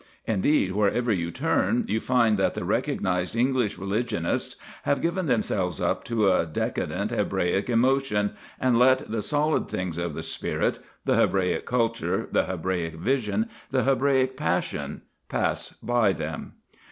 Indeed, wherever you turn you find that the recognised English religionists have given themselves up to a decadent, Hebraic emotion, and let the solid things of the spirit the Hebraic culture, the Hebraic vision, the Hebraic passion pass by them.